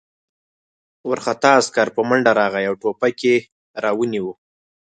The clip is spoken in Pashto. وارخطا عسکر په منډه راغی او ټوپک یې را ونیاوه